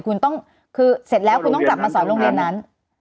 คุณต้องคือเสร็จแล้วคุณต้องกลับมาสอนโรงเรียนนั้น